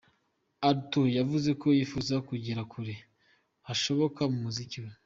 Alto yavuze ko yifuza kugera kure hashoboka mu muziki we.